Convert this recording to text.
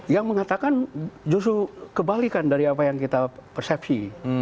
yang mengatakan justru kebalikan dari apa yang kita persepsi